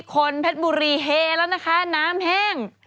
คนเพชรบุรีเฮแล้วนะคะน้ำแห้ง